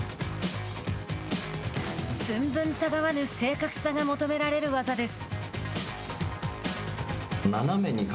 寸分たがわぬ正確さが求められる技です。